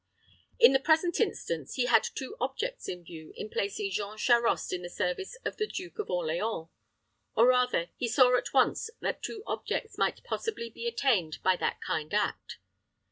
In the present instance, he had two objects in view in placing Jean Charost in the service of the Duke of Orleans; or, rather, he saw at once that two objects might possibly be attained by that kind act.